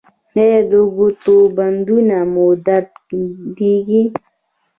ایا د ګوتو بندونه مو دردیږي؟